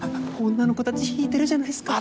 女の子たち引いてるじゃないっすか。